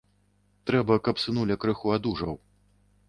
Трэба, каб сынуля крыху адужаў.